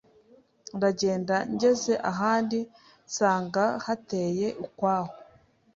Ndagenda ngeze ahandi nsanga hateye ukwaho